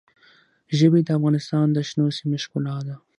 ژبې د افغانستان د شنو سیمو ښکلا ده.